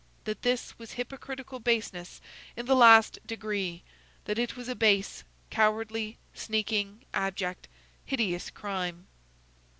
that this was hypocritical baseness in the last degree! that it was a base, cowardly, sneaking, abject, hideous crime!